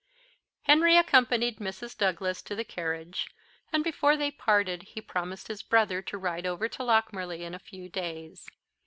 Henry accompanied Mrs. Douglas to the carriage, and before they parted he promised his brother to ride over to Lochmarlie in a few days.